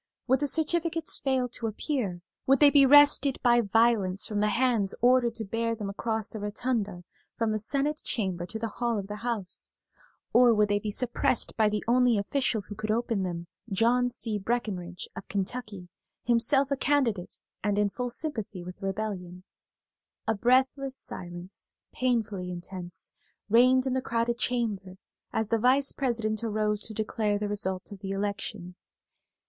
Would the certificates fail to appear; would they be wrested by violence from the hands ordered to bear them across the rotunda from the Senate Chamber to the hall of the House, or would they be suppressed by the only official who could open them, John C. Breckenridge of Kentucky, himself a candidate and in full sympathy with the rebellion. A breathless silence, painfully intense, reigned in the crowded chamber as the Vice President arose to declare the result of the election.